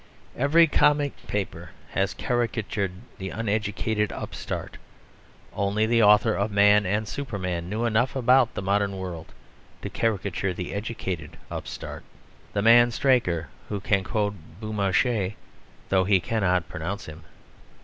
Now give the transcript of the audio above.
Every comic paper has caricatured the uneducated upstart. Only the author of Man and Superman knew enough about the modern world to caricature the educated upstart the man Straker who can quote Beaumarchais, though he cannot pronounce him.